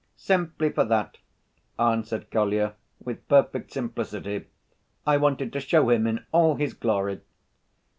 "Simply for that!" answered Kolya, with perfect simplicity. "I wanted to show him in all his glory."